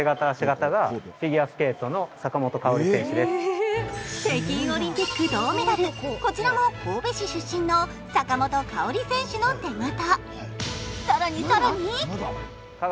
別の駅には北京オリンピック銅メダル、こちらも神戸市出身の坂本花織選手の手形。